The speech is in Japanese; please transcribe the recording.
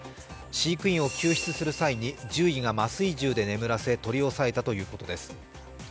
飼育員を救出する際に獣医が麻酔銃で眠らせ取り押さえたということです。